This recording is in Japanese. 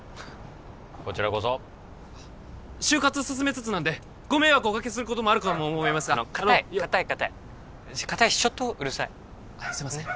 こちらこそ就活進めつつなんでご迷惑をおかけすることもあるかとカタいカタいカタいカタいしちょっとうるさいあっすいません